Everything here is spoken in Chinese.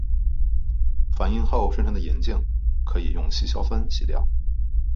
反应后生成的银镜可以用稀硝酸洗掉。